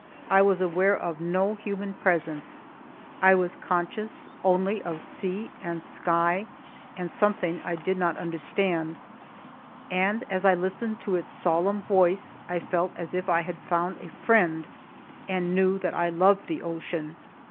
I was aware of no human presence; I was conscious only of sea and sky and something I did not understand. And as I listened to its solemn voice, I felt as if I had found a friend, and knew that I loved the ocean.